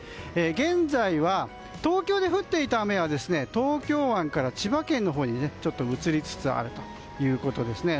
現在は東京で降っていた雨は東京湾から千葉県のほうに移りつつあるということですね。